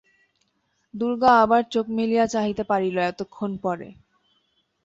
দুর্গা আবার চোখ মেলিয়া চাহিতে পারিল এতক্ষণ পরে।